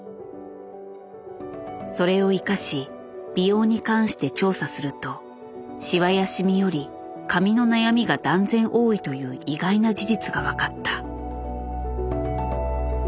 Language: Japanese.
それを生かし美容に関して調査するとしわやシミより髪の悩みが断然多いという意外な事実が分かった。